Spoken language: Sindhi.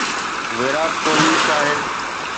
ويرات ڪوهلي شاهد